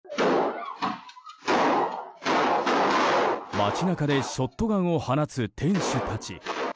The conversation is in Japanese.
街中でショットガンを放つ店主たち。